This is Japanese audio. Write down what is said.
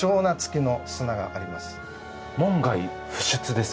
門外不出ですか？